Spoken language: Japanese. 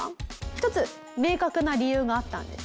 １つ明確な理由があったんです。